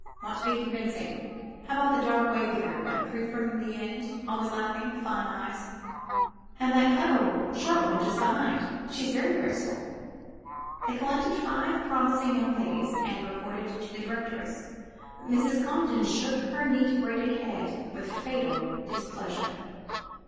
Want to be convincing. How about the dark, wavy haired one, three from the endf Always laughing. Fine eyes." And that clever looking short one just behind — she's very graceful." They collected five promising young ladies and re ported to the directress, but Mrs. Compton shook her neat braided head with fatal displeasure.